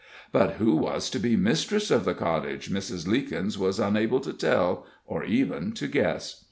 But who was to be mistress of the cottage Mrs. Leekins was unable to tell, or even to guess.